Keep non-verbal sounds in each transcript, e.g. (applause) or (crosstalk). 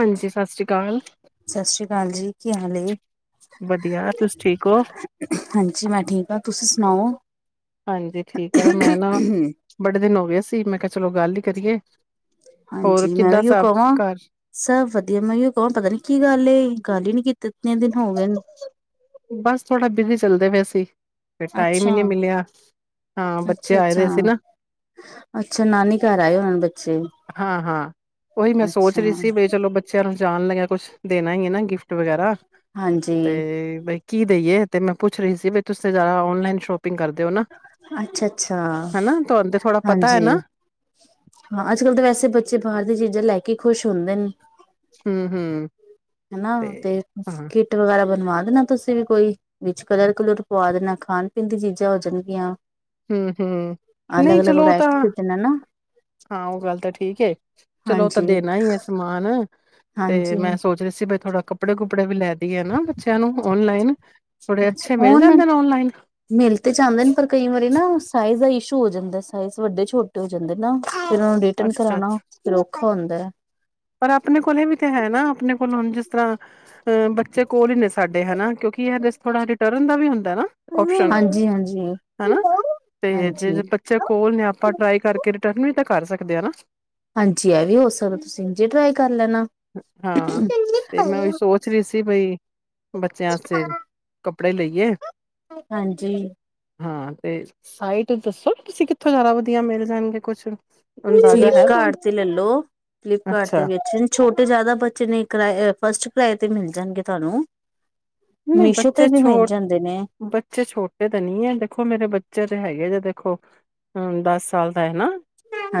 ਹਾਂਜੀ, ਸਤਿ ਸ਼੍ਰੀ ਅਕਾਲ। ਸਤਿ ਸ੍ਰੀ ਅਕਾਲ ਜੀ ਕੀ ਹਾਲ ਏ। ਵਧੀਆ ਤੁਸੀਂ ਠੀਕ ਹੋ ਹਾਂਜੀ ਮੈਂ ਠੀਕ ਹਾਂ ਤੁਸੀਂ ਸੁਣਾਓ ਹਾਂਜੀ, ਠੀਕ ਆ ਮੈਂ ਨਾ ਬੜੇ ਦਿਨ ਹੋ ਗਏ। ਸੀ ਮੈਂ ਕਿਹਾ ਚਲੋ ਗੱਲ ਹੀ ਕਰੀਏ। ਹੋਰ ਹਾਂਜੀ ਮੈਂ ਕਿੱਦਾਂ ਵੀਓ ਸਭ ਕਹਾਂ ਘਰ ਸਭ ਵਧੀਆ, ਮੈਂ ਓਯੋ ਕਹਾਂ ਪਤਾ ਨੀ ਕੀ ਗੱਲ ਏ, ਗੱਲ ਹੀ ਨੀ ਕੀਤੀ। ਕਿਤਨੇ ਦਿਨ ਹੋ ਗਏ ਨੇ। ਬਸ ਥੋੜਾ ਬਿਜੀ ਚੱਲਦੇ ਪਏ ਸੀ। ਫਿਰ ਟਾਈਮ ਹੀ ਨਹੀਂ ਮਿਲਿਆ ਹਾਂ ਬੱਚੇ ਆਏ ਦੇ ਸੀ ਨਾ ਅੱਛਾ-ਅੱਛਾ-ਅੱਛਾ-ਅੱਛਾ, ਨਾਨੀ ਘਰ ਆਏ ਹੋਏ ਨੇ ਬੱਚੇ। ਹਾਂ ਹਾਂ ਉਹੀ ਮੈਂ ਸੋਚ ਅੱਛਾ ਰਹੀ ਸੀ ਵੀ ਚਲੋ ਬੱਚਿਆਂ ਨੂੰ। ਜਾਣ ਲੱਗਿਆ ਕੁਛ ਦੇਣਾ ਹੀ ਏ ਨਾ ਗਿਫਟ ਵਗੈਰਾ। ਹਾਂਜੀ ਤੇ ਬਈ। ਕੀ ਦੇਈ ਏ ਤੇ ਮੈਂ ਪੁੱਛ ਰਹੀ ਸੀ ਵੀ ਤੁਸੀਂ ਜ਼ਿਆਦਾ ਔਨਲਾਈਨ ਸ਼ੌਪਿੰਗ। ਅੱਛਾ-ਅੱਛਾ ਹਨਾ ਤੁਹਾਨੂੰ ਤੇ ਥੋੜਾ ਪਤਾ ਹੈ ਨਾ ਹਾਂਜੀ ਹਾਂ ਅੱਜ ਕੱਲ ਤਾਂ ਵੈਸੇ। ਤੇ ਬੱਚੇ ਬਾਹਰ ਦੀਆਂ ਚੀਜ਼ਾਂ ਲੈ ਕੇ ਖੁਸ਼ ਹੁੰਦੇ ਨੇ। ਹੂੰ ਹੂੰ। ਹੈ ਨਾ ਤੇ ਕਿਟ ਵਗੈਰਾ ਬਣਵਾ। ਹੈ ਨਾ ਤੁਸੀਂ ਵੀ ਕੋਈ ਵਿੱਚ ਕਲਰ ਕੋਲਰ ਪਵਾ ਦੇਣਾ ਖਾਣ ਪੀਣ ਦੀਆ ਚੀਜ਼ਾਂ ਹੋ ਜਾਣਗੀਆਂ। ਹੂੰ ਹੂੰ ਅਲੱਗ ਨਹੀਂ ਅਲੱਗ ਚਲੋ ਤਾਂ ਵਰਾਇਟੀ ਦੇ ਦੇਣਾ ਨਾ ਹਾਂ ਉਹ ਗੱਲ ਤਾਂ ਠੀਕ ਚਲੋ ਉਹ ਤਾਂ ਹਾਂਜੀ, ਦੇਣਾ ਹੀ ਹੈ ਸਮਾਨ। ਤੇ ਹਾਂਜੀ ਮੈਂ ਸੋਚ ਰਹੀ ਸੀ ਘਰੋ ਕੱਪੜੇ ਕੁਪੜੇ ਵੀ ਲੈਦੇ ਨਾ ਬੱਚਿਆਂ ਨੂੰ ਓਨਲਾਈਨ ਥੋੜੇ ਅੱਛੇ ਮਿਲ ਜਾਂਦੇ ਨੇ ਔਨਲਾਈਨ ਮਿਲ ਤੇ ਜਾਂਦੇ ਨੇ ਪਰ ਕਈ ਵਾਰੀ ਨਾ ਸਾਈਜ਼ ਦਾ ਇਸ਼ੂ ਹੋ ਜਾਂਦਾ ਸਾਈਜ਼ ਵੱਡੇ ਛੋਟੇ ਹੋ ਜਾਂਦੇ ਨਾ ਫਿਰ ਉਹਨੂੰ ਰਿਟਰਨ ਅੱਛਾ ਕਰਾਉਣਾ ਅੱਛਾ ਫਿਰ ਖਾ ਹੁੰਦਾ ਹੈ ਪਰ ਆਪਣੇ ਕੋਲ ਵੀ ਤੇ ਹੈ ਨਾ ਆਪਣੇ ਕੋਲ ਹੁਣ ਜਿਸ ਤਰ੍ਹਾਂ ਆ ਬੱਚੇ ਕੋਲ ਹੀ ਨੇ ਸਾਡੇ ਹਨ ਨਾ ਕਿਉਂਕਿ ਇਹ ਥੋੜਾ ਰਿਟਰਨ ਦਾ ਵੀ ਹੁੰਦਾ ਉਸ਼ਨ ਹਾਂਜੀ, ਹਾਂਜੀ। ਹਨਾ ਤੇ ਜੇ ਹਾਂਜੀ। ਬੱਚੇ ਕੋਲ ਨੇ ਆਪਾਂ ਟਰਾਈ ਕਰਕੇ ਟਰਮਿਨ ਤਾਂ ਕਰ ਸਕਦੇ ਆ ਹਾਂਜੀ ਇਹ ਵੀ ਹੋ ਸਕਦਾ ਤੁਸੀ ਦੁਜੀ ਟਰਾਈ ਕਰ ਲੈਣਾ ਬਾਈ ਬੱਚਿਆਂ ਵਾਸਤੇ ਕੱਪੜੇ ਲਏ ਹਾਂ ਤੇ ਸਾਈਟ ਦੱਸੋ ਤੁਸੀਂ ਕਿੱਥੋਂ ਜ਼ਿਆਦਾ ਵਧੀਆ ਮਿਲ ਜਾਣਗੇ ਕੁਛੱ ਫਲੀਪਕਾਟ ਲੱਲੋ ਘਰ ਅੱਛਾ ਦੇ ਵਿੱਚ ਛੋਟੇ ਜਿਆਦਾ ਬੱਚੇ ਨੇ ਫਸਟ ਕਿਰਾਏ ਤੇ ਮਿਲ ਜਾਣਗੇ ਤੁਹਾਨੂੰ ਨਹੀਂ ਮੀਸ਼ੋ ਬੱਚੇ ਵੀ ਤੇ ਮਿਲ ਜਾਂਦੇ ਨੇ ਬੱਚੇ ਛੋਟੇ ਤਾਂ ਨਹੀਂ ਹੈ ਦੇਖੋ ਮੇਰੇ ਬੱਚੇ ਤਾਂ ਹੈਗੇ ਜੇ ਦੇਖੋ ਹਾ ਦਸ ਸਾਲ ਦਾ ਹੈ ਨਾ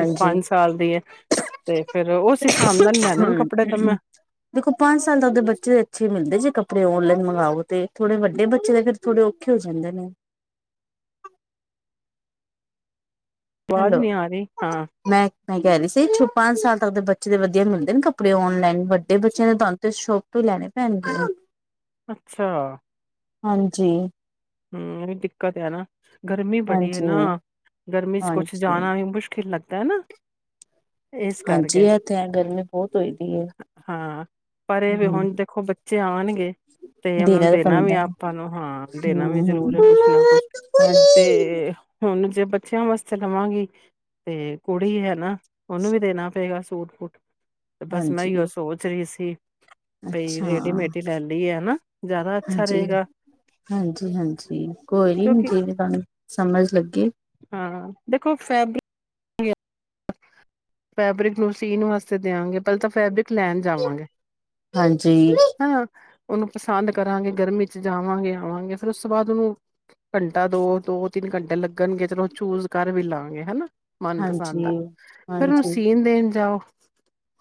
ਇੱਕ ਪੰਜ ਸਾਲ ਦੀ ਹੈ ਤੇ ਫੇਰ ਉਸ ਹਿਸਾਬ ਨਾਲ ਲੈਣੇ ਨੇ ਹਮ ਕੱਪੜੇ ਤਾਂ ਮੈਂ ਦੇਖੋ ਪੰਜ ਸਾਲ ਤਾਂ ਬੱਚੇ ਨੂੰ ਅੱਛੇ ਮਿਲਦੇ ਜੇ ਕੱਪੜੇ ਆਪਣੇ ਓਨਲਾਈਨ ਮੰਗਵਾਓ ਤੇ ਥੋੜੇ ਵੱਡੇ ਬੱਚੇ ਦੇ ਫਿਰ ਥੋੜੇ ਔਖੇ ਹੋ ਜਾਂਦੇ ਨੇ ਆਵਾਜ਼ ਹੈਲੋ ਨਹੀਂ ਆ ਰਹੀ ਹਾਂ ਮੈਂ ਮੈਂ ਕਹਿ ਰਹੀ ਸੀਪੰਜ ਸਾਲ ਤੱਕ ਦੇ ਬੱਚੇ ਦੇ ਵਧੀਆ ਮਿਲਦੇ ਨੇ ਕੱਪੜੇ ਔਲਾਈਨ ਵੱਡੇ ਬੱਚਿਆਂ ਦੇ ਤਾ ਸ਼ੋਪ ਤੋਂ ਹੀ ਲੈਣੇ ਪੈਣਗੇ ਅੱਛਾ ਹਾਂਜੀ ਹਮ ਇਹ ਵੀ ਦਿੱਕਤ ਹੈ ਨਾ ਗਰਮੀ ਬੜੀ ਹੈ ਹਾਂਜੀ ਨਾ ਗਰਮੀ ਕਿਤੇ ਹਾਂਜੀ ਜਾਣਾ ਵੀ ਮੁਸ਼ਕਿਲ ਲੱਗਦਾ ਤੇ ਨੂੰ ਇਸ ਹਾਂਜੀ ਕਰਕੇ ਇਹ ਤੇ ਹੈ ਗਰਮੀ ਬਹੁਤ ਹੋਈ ਦੀ ਹੈ ਹਾਂ ਪਰ ਇਹ ਵੀ ਹਮ ਹੁਣ ਦੇਖੋ ਬੱਚੇ ਆਉਣਗੇ ਤੇ ਉਹਨਾਂ ਨੂੰ ਤਾਂ ਦੇਣਾ ਵੀ ਪੈਂਦਾ ਆਪਾਂ ਨੂੰ ਹਾਂ ਦੇਣਾ ਵੀ ਹਮ ਹਮ ਜ਼ਰੂਰ ਹੈ ਕੁਛ ਨਾ ਕੁਛ ਤੇ ਹੁਣ ਜੇ ਬੱਚਿਆਂ ਵਾਸਤੇ ਲਵਾਂਗੀ ਤੇ ਕੁੜੀ ਹੈ ਨਾ ਉਹਨੂੰ ਵੀ ਦੇਣਾ ਪਏਗਾ ਸੂਟ ਤੇ ਬਸ ਮੈਂ ਹਾਂਜੀ ਹੀ ਉਹ ਸੋਚ ਰਹੀ ਸੀ ਪੱਕਾ ਬਈ ਅੱਛਾ ਰੇਡੀਮੇਡ ਹੀ ਲੈ ਲਈਏ ਤਾ ਜ਼ਿਆਦਾ ਅੱਛਾ ਹਾਂਜੀ ਰਹੇਗਾ ਹਾਂਜੀ ਹਾਂਜੀ ਕੋਈ ਨੀ ਕਿਉਂਕਿ ਆ ਰਹੀ ਸਮਝ ਸਮਝ ਲੱਗੀ ਹਾਂ ਦੇਖੋ ਫੈਬ ਫੈਬਰਿਕ ਨੂੰ ਸੀਣ ਵਾਸਤੇ ਦਿਆਂਗੇ ਪਹਿਲਾਂ ਤਾਂ ਫੈਬਰਿਕ ਲੈਣ ਜਾਵਾਂਗੇ ਹਾਂਜੀ ਹਨਾ ਉਹਨੂੰ ਪਸੰਦ ਕਰਾਂਗੇ ਗਰਮੀ ਚ ਜਾਵਾਂਗੇ ਆਵਾਂਗੇ ਫੇਰ ਉਸ ਤੋਂ ਬਾਅਦ ਉਹਨੂੰ ਘੰਟਾ ਦੋ ਦੋ ਤਿੰਨ ਘੰਟੇ ਲੱਗਣਗੇ ਚਲੋ ਚੂਜ ਕਰ ਵੀ ਲਵਾਂਗੇ ਹਨਾ ਹਾਂਜੀ ਹਾਂਜੀ ਸੀਨਦੇ ਜਾਓ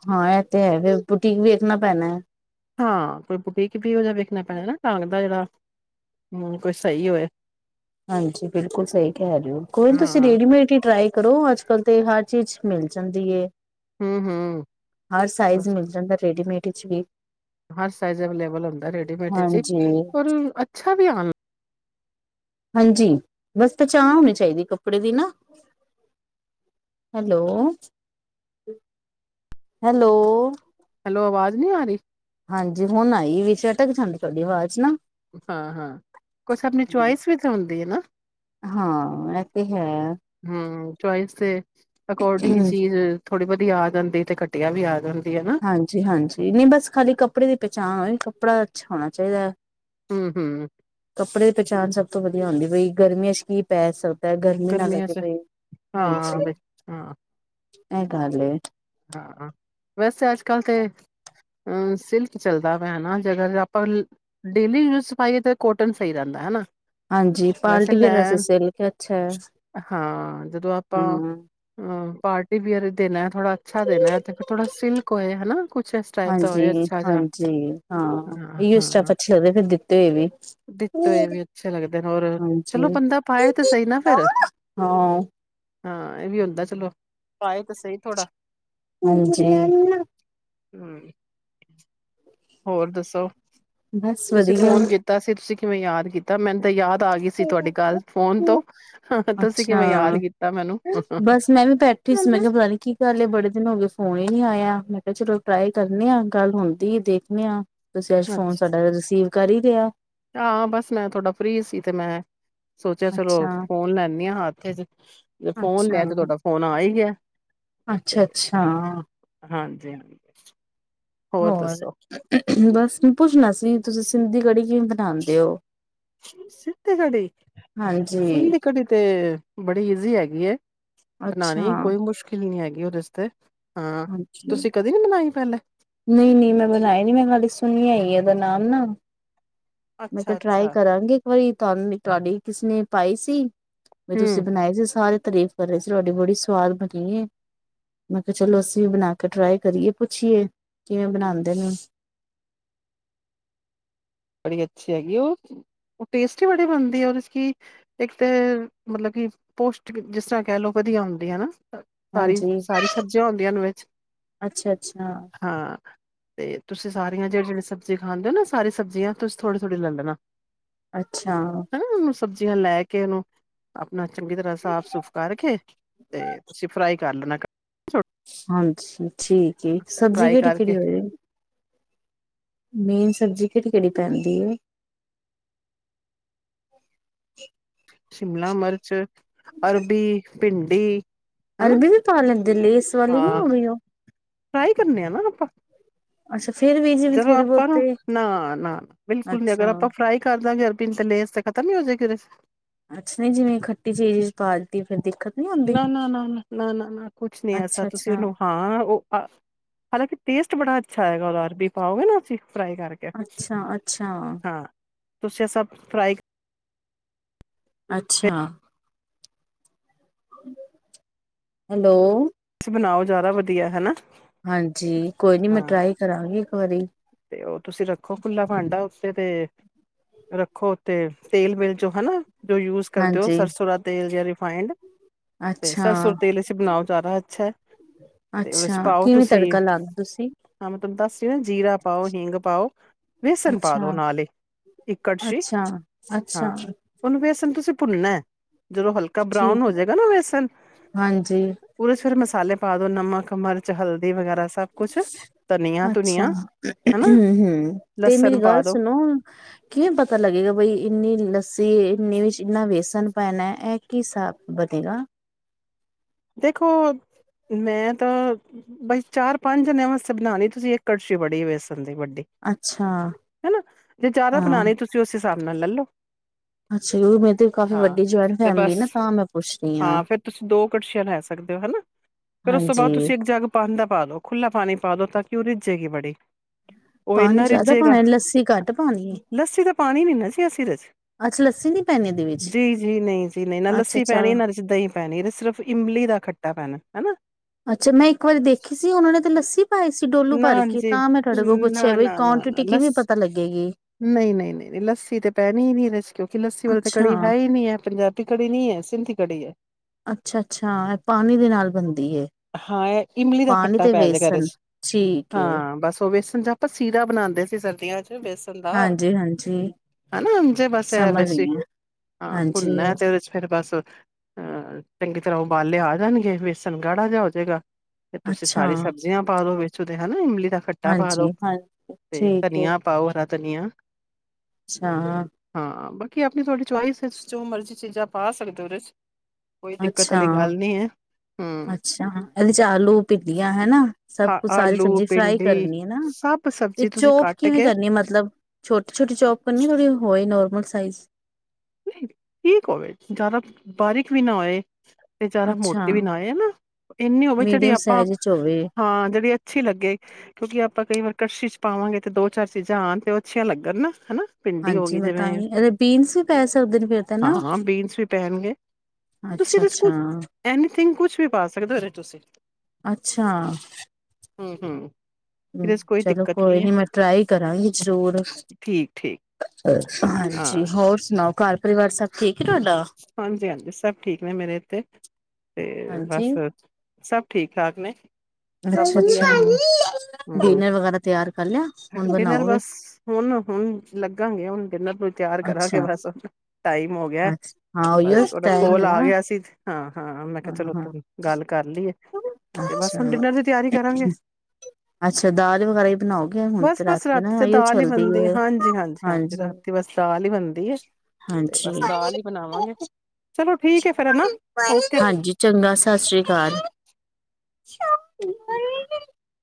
ਹਾਂ ਇਹ ਤੇ ਹੈ ਬੂਟੀ ਵੇਖਣਾ ਪੈਣਾ ਹੈ ਹਾਂ ਕੋਈ ਬੁਟੀਕ ਵੀ ਉਹ ਜਿਹਾ ਵੇਖਣਾ ਪੈਦਾ ਨਾ ਟਾਂਗ ਦਾ ਜਿਹੜਾ ਕੋਈ ਸਹੀ ਹੋਵੇ ਹਾਂਜੀ ਬਿਲਕੁਲ ਸਹੀ ਕਹਿ ਜਿਓ ਕੋਈ ਨੀ ਤੁਸੀਂ ਹਾਂ ਰੇਡੀਮੇਟ ਹੀ ਟਰਾਈ ਕਰੋ ਅੱਜ ਕਲ ਤੇ ਹਰ ਚੀਜ਼ ਮਿਲ ਜਾਂਦੀ ਹਮ ਹਮ ਹਰ ਸਾਈਜ਼ ਬਸ ਮਿਲ ਜਾਂਦਾ ਰੇਡੀਮੇਡ ਕਿਛ ਵੀ ਹਰ ਸਾਈਜ਼ ਅਵੇਲੇਬਲ ਹੁੰਦਾ ਰੇਡੀਮੇਡ ਵਿੱਚ ਹੀ ਹਾਂਜੀ, ਪਰ ਅੱਛਾ ਵੀ ਆਉਣ ਹਾਂਜੀ ਬਸ ਪਹਿਚਣ ਹੋਣੀ ਚਾਹੀਦੀ ਕੱਪੜੇ ਦੀ ਨਾ ਹੈਲੋ ਹੈਲੋ ਹੈਲੋ ਆਵਾਜ਼ ਨਹੀਂੀ ਆ ਰਹੀ ਹਾਂਜੀ ਹੁਣ ਆਈ ਵੀਾਟਕ ਠੰਡ ਤੁਹਾਡੀ ਆਵਾਜ਼ ਚ ਨਾ ਹਾਂ ਹਾਂ ਕੁਛ ਆਪਣੀ ਚੁਆਇਸ ਵੀ ਹੁੰਦੀ ਹੈ ਨਾ ਹਾਂ ਇਹ ਤੇ ਹੈ ਹਮ ਚਇਸ ਹੈ ਅਕੋਰਡਿੰਗ ਚੀਜ਼ ਥੋੜੀ ਵਧੀਆ ਆ ਜਾਂਦੀ ਤੇ ਘਟੀਆ ਵੀ ਆ ਜਾਂਦੀ ਹੈ ਨਾ ਹਾਂਜੀ ਹਾਂਜੀ ਨਹੀਂ ਬਸ ਖਾਲੀ ਕੱਪੜੇ ਦੀ ਪਹਿਚਾਣ ਹੋਈ ਕੱਪੜਾ ਅੱਛਾ ਹੋਣਾ ਚਾਹੀਦਾ ਹੈ ਹਮ ਹਮ ਕੱਪੜੇ ਦੀ ਪਹਿਚਾਣ ਸਭ ਤੋਂ ਵਧੀਆ ਹੁੰਦੀ ਬਈ ਗਰਮੀਆਂ ਚ ਕੀ ਪੈ ਗਰਮੀ ਨਾ ਗਰਮੀਆਂ ਲੱਗੇ ਚ ਪਈ ਹਾਂ ਹਾਂਜੀ ਬਈ ਹਾਂ ਮੇਘਾਲੇ ਹਾਂ ਵੈਸੇ ਅੱਜ ਕੱਲ੍ਹ ਤਾਂ ਅ ਸਿਲਕ ਚੱਲਦਾ ਵਾ ਹੈਾ ਜੇਗਰ ਆਪਾਂ ਡੇਲੀ ਯੂਜ ਪਾਈਏ ਤਾਂ ਕੋਟਨ ਸਹੀ ਰਹਿੰਦਾ ਹੈਾ ਹਾਂਜੀ ਕੁਆਲਟੀ ਵਅਰਸ ਸਿਲ ਕੇ ਅੱਛਾ ਹੈ ਹਾਂ ਜਦੋਂ ਆਪਾਂ ਹਮ ਅ ਪਾਰਟੀ ਵੀਅਰ ਦਿਨ ਥੋੜਾ ਅੱਛਾ ਦੇਣਾ ਹੈ ਤੇ ਫ ਥੋੜਾ ਸਿਲਕ ਹੋਏ ਹਨਾ ਕੁਛ ਇਸ ਟਾਈਪ ਦਾ ਹਾਂਜੀ ਹੋਏ ਅੱਛਾ ਜਿਹਾ ਹਾਂਜੀ ਹਮ ਹਾਂ ਤੇ ਵੀ ਦਿੱਤੋਏ ਵੀ ਅੱਛੇ ਲੱਗਦੇ ਨੇ ਹੋਰ ਚਲੋ ਹਾਂਜੀ ਬੰਦਾ ਪਾਏ ਤੇ ਸਹੀ ਨਾ ਫਿਰ ਹਾਂ ਹਾਂ ਇਹ ਵੀ ਹੁੰਦਾ ਚਲੋ ਪਾਏ ਤਾਂ ਸਹੀ ਥੋੜਾ ਹਾਂਜੀ ਹੂੰ। ਹੋਰ ਦੱਸੋ ਬਸ ਤੁਸੀਂ ਵਧੀਆ ਫੋਨ ਕੀਤਾ ਸੀ ਤੁਸੀ ਕਿਵੇਂ ਯਾਦ ਕੀਤਾ? ਮੈਨੂੰ ਤਾਂ ਯਾਦ ਆ ਗਈ ਸੀ ਤੁਹਾਡੀ ਗੱਲ ਫੋਨ ਤੋਂ ਤੁਸੀਂ ਅੱਛਾ, ਕਿਵੇਂ ਯਾਦ ਕੀਤਾ ਮੈਨੂੰ ਬਸ ਮੈਂ ਵੀ ਬੈਠੀ ਸੀ ਮੈਂ ਕਿਹਾ ਪਤਾ ਨੀ ਕੀ ਗਲ ਏ ਬੜੇ ਦਿਨ ਹੋ ਗਏ ਫੋਨ ਹੀ ਨੀ ਆਇਆ ਮੈਂ ਕਿਹਾ ਚਲੋ ਟਰਾਈ ਕਰਨੇ ਆ ਗੱਲ ਹੁੰਦੀ ਏ ਦੇਖਣੇ ਆ ਤੁਸੀਂ ਅੱਜ ਫੋਨ ਅੱਛਾ ਸਾਡਾ ਰਿਸੀਵ ਕਰ ਹੀ ਲਿਆ ਹਾਂ ਬਸ ਮੈਂ ਥੋਡਾ ਫਰੀ ਸੀ ਤੇ ਮੈਂ ਸੋਚਿਆ ਚਲੋ ਅੱਛਾ ਫੋਨ ਲੈਂਣੀ ਹਾਂ ਹੱਥ ਕਿੰਜ ਮੈਂ ਫੋਨ ਅੱਛਾ ਲਿਆ ਤੇ ਤੁਹਾਡਾ ਫੋਨ ਆ ਹੀ ਗਿਆ। ਅੱਛਾ ਅੱਛਾ, ਹਾਂ। ਜਿਨ ਹੋਰ, ਬਸ। ਪੁੱਛਣਾ ਸੀ ਤੁਸੀਂ ਸਿੰਧੀ ਕੜੀ ਕਿਵੇਂ ਬਣਾਉਂਦੇ ਔ। ਸਿੱਧੀ ਕੜੀ ਹਾਂਜੀ ਸਿੰਧੀ ਕੜੀ ਤੇ ਬੜੀ ਈਜ਼ੀ ਹੈਗੀ ਏ ਅੱਛਾ ਬਣਾਨੀ। ਕੋਈ ਮੁਸ਼ਕਿਲ ਨਹੀਂ ਹੈਗੀ। ਰਿਸ਼ਤੇ ਹਾਂ, ਹਾਂਜੀ ਤੁਸੀਂ ਕਦੇ ਨੀ ਬਨਾਈ। ਪਹਿਲੇ ਨਹੀਂ ਨਹੀਂ ਮੈਂ ਬਣਾਈ ਨੀ ਮੈਂ ਖਾਲੀ ਸੁਣਿਆ ਹੀ ਏ ਇਹਦਾ ਨਾਮ ਨਾ। ਮੈਂ ਕਿਹਾ ਅੱਛਾ ਟਰਾਈ ਅੱਛਾ ਕਰਾਂਗੀ ਇੱਕ ਵਾਰੀ ਤੁਹਾਨੂੰ ਤੁਹਾਡੀ ਕਿਸਨੇ ਪਾਈ ਸੀ। ਵੀ ਹਮ ਤੁਸੀਂ ਬਣਾਏ ਸੀ ਸਾਰੇ ਤਾਰੀਫ ਕਰ ਰਹੇ ਸੀ ਤੁਹਾਡੀ ਬੜੀ ਸਵਾਦ ਬਣੀ ਏ। ਮੈਂ ਕਿਹਾ ਚਲੋ ਅਸੀਂ ਵੀ ਬਣਾ ਕੇ ਟਰਾਈ ਕਰੀਏ ਪੁੱਛੀਏ, ਕਿਵੇਂ ਬਣਾਉਂਦੇ ਨੇ। ਬੜੀ ਅੱਛੀ ਹੈਗੀ ਉਹ ਟੇਸਟੀ ਹੀ ਬੜੀ ਬਣਦੀ ਹੈ। ਔਰੇ ਚ ਕੀ ਇੱਕ ਤੇ ਮਤਲਬ ਕਿ ਪੋਸ਼ਟ ਜਿਸ ਤਰ੍ਹਾਂ ਕਹਿ ਲਓ ਵਧੀਆ ਹੁੰਦੀ ਹੈਨਾ। ਸਾਰੀ ਹਾਂਜੀ ਸਾਰੀ ਸਬਜ਼ੀਆਂ ਹੁੰਦੀਆਂ ਵਿੱਚ ਅੱਛਾ ਅੱਛਾ ਹਾਂ ਤੇ ਤੁਸੀਂ ਸਾਰੇ ਜਾਂ ਜਿਹੜੀ, ਜਿਹੜੀ ਸਬਜ਼ੀ ਖਾਂਦੇ ਉਹ ਨਾ ਸਾਰੀ ਸਬਜ ਜਿਵੇਂ ਤੁਸੀ ਥੋੜੀ, ਥੋੜੀ ਲੇ ਲੈਣਾ। ਅੱਛਾ। ਹਨਾ ਉਹਨੂੰ ਸਬਜ਼ੀਆਂ ਲੈ ਕੇ ਉਹਨੂੰ ਅਪਣਾ ਚੰਗੀ ਤਰ੍ਹਾਂ ਸਾਫ਼ ਸੂਫ਼ ਕਰਕੇ ਤੇ ਤੁਸੀਂ ਫਰਾਈ ਕਰ ਲੈਣਾ। ਹਾਂਜੀ। ਠੀਕ ਏ ਸਬਜ਼ੀ ਫਰਾਈ ਕਿਹੜੀ ਕਰਕੇ ਕਿਹੜੀ ਹੋ ਮੇਨ ਸਬਜ਼ੀ ਕਿਹੜੀ ਕਿਹੜੀ ਪੈਂਦੀ ਏ। ਸ਼ਿਮਲਾ ਮਰਚ, ਅਰਬੀ ਭਿੰਡੀ ਹਨਾ ਅਰਬੀ ਵੀ ਪਾ ਲੈਂਦੇ ਲੇਸ ਵਾਲੀ ਨਹੀਂ ਹਾਂ ਹੋਣੀ ਉਹ ਫਰਾਈ ਕਰਨੇ ਆ ਨਾ ਆਪਾਂ ਅੱਛਾ। ਫੇਰ ਵੀ ਜਿਵੇਂ ਜਦੋਂ ਥੋੜੀ ਬਹੁਤ ਆਪਾਂ ਨੂੰ ਤੇ ਨਾਂ, ਨਾਂ, ਨਾਂ ਬਿਲਕੁਲ ਨੀਂ ਅਗਰ ਅੱਛਾ ਆਪਾਂ ਫਰਾਈ ਕਰ ਦਾਂਗੇ ਅ ਬੀ ਨੂੰ ਤੇ ਲੇਸ ਤੇ ਖਤਮ ਨੀਂ ਹੋ ਜੇਗੀ ਉਦੇ ਚ ਅੱਛਾ ਨਈਂ ਜਿਵੇਂ ਖੱਟੀ ਚੀਜ਼ ਪਾਤੀ ਫਿਰ ਦਿੱਕਤ ਨੀ ਆਉਂਦੀ ਨਾਂ ਨਾਂ ਨਾਂ ਨਾਂਅ ਨਾਂ ਕੁਛ ਨੀਂ ਐਸਾ ਅੱਛਾ ਤੁਸੀਂ ਅੱਛਾ ਉਹਨੂੰ ਹਾਂ, ਉਹ ਹਾਲਾਂਕਿ ਪੇਸਟ ਬੜਾ ਅੱਛਾ ਆਏਗਾ ਉਹਦਾ ਅਰਬੀ ਪਾਓਗੇ ਨਾਂ ਅਸੀਂ ਫਰਾਈ ਕਰਕੇ ਅੱਛਾ ਅੱਛਾ ਹਾਂ ਤੁਸੀਂ ਸਭ ਫਰਾਈ ਅੱਛਾ। ਕਰਕੇ ਹੈਲੋ ਬਣਾਓ ਜ਼ਿਆਦਾ ਵਧੀਆ ਹਨਾਂ! ਹਾਂਜੀ, ਕੋਈ ਨੀ ਮੈਂ ਟਰਾਈ ਕਰਾਂਗੀ। ਵਾਰੀ ਤੇ ਉਹ ਤੁਸੀਂ ਰੱਖੋ ਖੁੱਲਾ ਭਾਂਡਾ। ਤੇ ਰੱਖੋ ਉੱਥੇ ਤੇਲ ਮਿੱਲ ਚੋਂ ਹਨਾਂ। ਜੋ ਯੂਜ ਕਰਦੇ ਹੋ ਹਾਂਜੀ ਸਰਸੋਂ ਦਾ ਤੇਲ ਜ ਫਾਇੰਡ ਤੇ ਅੱਛਾ ਸਰਸੁਰ ਤੇਲ ਅਸੀਂ ਬਣਾਓ ਜ਼ਿਆਦਾ ਅੱਛਾ ਐ ਤੇ ਉਹਦੇ ਚ ਅੱਛਾ ਪਾਓ ਕਿਵੇਂ ਤੁਸੀਂ ਤੜਕਾ ਲਾਦੇ ਤੁਸੀਂ ਹਾਂ, ਮੈਂ ਤੁਹਾਨੂੰ ਦੱਸ ਜੀਰਾ। ਪਾਓ ਹਿੰਗ ਪਾਓ। ਵੇਸਨ ਪਾ ਦੋ ਅੱਛਾ ਨਾਲ ਹੀ ਇੱਕ ਕੜਛੀ ਅੱਛਾ ਹਾਂ, ਅੱਛਾ ਉਹਨੂੰ ਵੇਸਣ ਤੁਸੀਂ ਭੁੰਨਨਾ ਜਦੋਂ ਹਲਕਾ ਠੀਕ ਬਰਾਉਨ ਹੋ ਜਾਏਗਾ ਨਾਂ ਵੇਸਣ ਹਾਂਜੀ ਉਹਦੇ ਚ ਫਿਰ ਮਸਾਲੇ ਪਾਦ ਨਮਕ ਮਿਰਚ ਹਲਦੀ ਵਗੈਰਾ ਸਭ ਕੁਛ ਧਨੀਆਂ ਤੁਨੀਆਂ (unintelligible) ਤੇ ਮੇਰੀ ਗੱਲ ਦੋ ਸੁਣੋ ਕਿਵੇਂ ਪਤਾ ਲੱਗੇਗਾ ਬਈ ਇੰਨੀ ਲੱਸੀ ਨੀਂ ਇੰਨਾ ਵੇਸਣ ਪੈਣਾ ਇਹ ਕੀ ਹਿਸਾਬ ਬਨੇਗਾ। ਦੇਖੋ, ਮੈਂ ਤਾਂ ਬਸ ਚਾਰ ਪੰਜ ਜਣਿਆਂ ਵਾਸਤੇ ਬਣਾਉਣੀ ਤੁਸੀਂ ਇੱਕ ਕੜਛੀ ਬੜੀ ਵੈਸ ਵੱਡੇ ਅੱਛਾ ਹਨਾਂ। ਜੇ ਜ਼ਿਆਦਾ ਹਾਂ ਬਣਾਉਣੇ ਤੁਸੀਂ ਉਸ ਹਿਸਾਬ ਨਾਲ ਲਲੋ ਅੱਛਾ ਮੇਂ ਤੇ ਕਾਫ਼ੀ ਵੱਡੀ ਜੁਆਇੰਟ ਤੇ ਫੈਮਿਲੀ ਬਸ ਨਾਂ ਤਾਂ ਮੈਂ ਪੁੱਛ ਰਹੀ ਹਾਂ ਫੇਰ ਤੁਸੀਂ ਦੋ ਲੈ ਸਕਦੇ ਹੋ ਹਨਾਂ ਫੇਰ ਉਸ ਤੋਂ ਬਾਅਦ ਹਾਂਜੀ ਤੁਸੀਂ ਇੱਕ ਜੱਗ ਪਾਣੀ ਦਾ ਪਾਦੋ ਖੁੱਲਾ ਪਾਣੀ ਪਾਦੋ ਤਾਂ ਕਿਊ ਰੀਜੇਗੀ ਬੜੀ ਉਹ ਪਾਣੀ ਇੰਨਾਂ ਜ਼ਿਆਦਾ ਰਿੱਝੇਗਾ ਪਾਣਾ ਲੱਸੀ ਘੱਟ ਪਾਣੀ ਏ? ਲੱਸੀ ਤਾਂ ਪਾਣੀ ਨੀਂ ਨਾਂ ਅਸੀ ਇਦੇ ਚ ਅੱਛਾ ਲੱਸੀ ਨੀ ਪੈਣੀ ਇਹਦੇ ਵਿੱਚ ਜੀ, ਜੀ, ਨਈਂ ਜੀ ਨਈਂ ਨਾ ਅੱਛਾ ਲੱਸੀ ਅੱਛਾ ਪੈਣੀ ਨਾ ਦਹੀਂ ਪੈਣੀ ਸਿਰਫ ਦਾ ਖੱਟਾ ਪੈਣ ਹਨਾਂ। ਅੱਛਾ ਮੈਂ ਇੱਕ ਵਾਰੀ ਦੇਖੀ ਸੀ ਉਹਨਾਂ ਨੇ ਤੇ ਲੱਸੀ ਪਾਏ ਸੀ ਡੋਲੂ ਭਰ ਨਾ ਕੇ ਜੀ ਤਾਂ ਮੈਂ ਤੁਹਾਡੇ ਕੋਲ ਪੁੱਛਿਆ ਨਾ ਬਈ ਨਾ ਨਾ ਨਾ ਕੁਆਂਟਿਟੀ ਕਿਵੇਂ ਲੱਸ ਪਤਾ ਲੱਗੇਗੀ ਨਹੀਂ ਨਹੀਂ ਨਹੀਂ ਨਹੀਂ ਲੱਸੀ ਤੇ ਪੈਣੀ ਹੀ ਨ ਇਹਦੇ ਚ ਕਿਉਂ ਕਿ ਲੱਸੀ ਵਾਲੇ ਤੇ ਅੱਛਾ ਕੜੀ ਹੈ ਹੀ ਨਹੀਂੀ ਹੈ ਪੰਜਾਬੀ ਕੜੀ ਨੀ ਹੈ ਸਿੰਧੀ ਕੜੀ ਹੈ ਅੱਛਾ ਅੱਛਾ ਇਹ ਪਾਣੀ ਦੇ ਨਾਲ ਬੰਦੀ ਹਾਂ ਇਹ ਇਮਲੀ ਦਾ ਖੱਟਾ ਪੈ ਜਾ ਘਰੇ ਵੇਸਣ ਚ ਠੀਕ ਏ ਹਾਂ ਬਸ ਉਹ ਵੀ ਪੰਜ ਆਪਾਂ ਸੀਰਾਾ ਬਣਾਉਂਦੇ ਸੀ ਸਰਦੀਆਂ ਚ ੇਸ ਦਾ ਹਾਂਜੀ ਹਾਂਜੀ ਹਨਾ ਜੇ ਬਸ ਐ ਸਮਝ ਵਸ ਗਈ ਆ ਹਾਂ ਹਾਂਜੀ ਭੁੰਨ ਤੇ ਉਹਦੇ ਚ ਫੇਿਰ ਬਸ ਅਹ ਚੰਗੀ ਤਰ੍ਹਾਂ ਉਬਾਲੇ ਆ ਜਾਣਗੇ ਬੇਸਣ ਗਾੜਾ ਜਿਹਾ ਹੋ ਜਾੇਗਾ ਤੇ ਤੁਸੀਂ ਅੱਛਾ ਸਾਰੀ ਸਬਜ਼ੀਆਂ ਪਾ ਦੋ ਵੀ ਦੇ ਹਨ ਇੰਲ ਖੱਟਾ ਪਾ ਲੋੋ ਹਾਂਜੀ ਹਾਂ ਤੇ ਠੀਕ ਏ ਧਨੀਆ ਪਾਓ ਰਾ ਤਨੀਆਂ ਅੱਛਾ ਕੀ ਆਪਣੀ ਤੁਹਾਡੀ ਚੁਆਇਸ ਵਿੱਚ ਜੋ ਮਰਜ਼ੀ ਚੀਜ਼ਾਂ ਪਾ ਸਕਦੇ ਹੋ ਉਹਦੇ 'ਚ ਕੋਈ ਦਿੱਕਤ ਅੱਛਾ ਵਾਲੀ ਗੱਲ ਨਹੀਂ ਹੈ ਹਮ ਅੱਛਾ ਇਹਦੇ ਚ ਆਲੂ ਪਿੱਲੀਆਂ ਹਨਾ ਸਭ ਹਾਂ ਕੁਛ ਸਾਰੀ ਆਲੂ ਸਬਜ਼ੀ ਫਰਾਈ ਭਿੰਡੀ ਕਰਨੀ ਹੈਾ ਸਭ ਤੇ ਸਬਜ਼ੀ ਤੁਸੀਂ ਚੋਪ ਕੱਟ ਕਿਵੇਂ ਕੇ ਕਰਨੀ ਮਤਲਬ ਛੋਟੀ ਛੋਟੀ ਚੋਪ ਕਰਨੀ ਥੋੜੀ ਹੋ ਨੋਰਮਲ ਸਾਈਜ਼ ਠੀਕ ਹੋਵੇ ਜ਼ਿਆਦਾ ਬਾਰਕ ਵੀ ਨਾ ਹੋਏ ਤੇਚਾਰਾ ਅੱਛਾ ਮੋਟੀ ਵੀ ਨਾ ਆ ਨਾ ਇੰਨੀ ਹੋਵੇ ਜਿਹੜੀ ਮੀਡੀਅਮ ਆਪਾਂ ਸਾਈਜ਼ ਚ ਹੋਵੇ ਹਾਂ ਜਿਹੜੀ ਅੱਛੀ ਲੱਗੇ ਕਿਉਂਕਿ ਆਪਾਂ ਕਈ ਵਾਰ ਕੜਸ਼ੀ ਚ ਪਾਵਾਂਗੇ ਤੇ ਦੋ ਚਾਰ ਚੀਜ਼ਾਂ ਆਉਣ ਤੇ ਉਹ ਅੱਛੀਆਂ ਲੱਗਣ ਨਾ ਹਨਾ ਭਿੰਡੀ ਹੋ ਹਾਂਜੀ ਗਈ ਮੈਂ ਤਾਂ ਜਿਵੇਂ ਹੀ ਇਹਦੇ ਬੀਨਸ ਪੈ ਸਕਦੇ ਨੇ ਫੇਿਰ ਤਾਂ ਨਾ ਹਾਂ ਬੀਨਸ ਵੀ ਪੈਣਗੇ ਤੁਸੀਂ ਅੱਛਾ ਇਹਦੇ ਚ ਅੱਛਾ ਕੁਛ ਐਨੀਥਿੰਗ ਕੁਛ ਵੀ ਪਾ ਸਕਦੇ ਹੋਦੇ ਤੁਸੀਂ ਅੱਛਾ ਹਮ ਹਮ ਹਮ ਚਲੋ ਕੋਈ ਨੀ ਮੈਂ ਟਰਾਈ ਕਰਾਂਗੀ ਜਰੂਰ ਠੀਕ ਠੀਕ ਹਾਂ ਹਾਂਜੀ ਹੋਰ ਸੁਣਾਓ ਘਰ ਪਰਿਵਾਰ ਸਭ ਠੀਕ ਹੈ ਤੁਹਾਡਾ ਹਾਂਜੀ ਹਾਂਜੀ ਸਭ ਠੀਕ ਨੇ ਮੇਰੇ ਇੱਥੇ ਤੇ ਹਾਂਜੀ ਬਸ ਸਭ ਠੀਕ ਠਾਕ ਨੇ ਸਭ ਅੱਛਾ ਵਧੀਆ ਅੱਛਾ ਨੇ ਹਮ ਡਿਨਰ ਵਗੈਰਾ ਤਿਆਰ ਕਰ ਲਿਆ ਹੁਣ ਡਿਨਰ ਬਣਾਓਗੇ ਬਸ ਹੁਣ ਹੁਣ ਲੱਗਾਂਗੇ ਹੁਣ ਡਿਨਰ ਨੂੰ ਤਿਆਰ ਕਰਾਂਗੇ ਅੱਛਾ ਬਸ ਟਾਈਮ ਹੋ ਗਿਆ ਅੱਛਾ ਹਾਂ ਉਹੀਓ ਬਸ ਡਾ ਟਾਈਮ ਹੈ ਕੋਲ ਆ ਨਾ ਗਿਆ ਸੀ ਹਾਂ ਹਾਂ ਮੈਂ ਕਿਹਾ ਚਲੋ ਤ ਗੱਲ ਕਰ ਲਈ ਤੇ ਬਸ ਹੁਣ ਅੱਛਾ ਡਿਨਰ ਦੀ ਤਿਆਰੀ ਕਰਾਂਗੇ ਅੱਛਾ ਦਾਲ ਵਗੈਰਾ ਹੀ ਬਣਾਓਗੇ ਹੁਣ ਤੇ ਬਸ ਬਸ ਰਾਤੀ ਤੇ ਨਾਓ ਦਾਲ ਹੀ ਚੱਲਦੀ ਬਣਦੀ ਹੈ ਹਾਂਜੀ ਹਾਂਜੀ ਰਾਤੀ ਬਸ ਦਾਲ ਹਾਂਜੀ ਬਨਾਵਾਂਗੇ ਹਾਂਜੀ ਚੰਗਾ ਸਤਿ ਸ੍ਰੀ ਅਕਾਲ ਸ਼ਛ